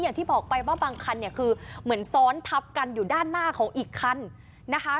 อย่างที่บอกไปว่าบางคันเนี่ยคือเหมือนซ้อนทับกันอยู่ด้านหน้าของอีกคันนะคะ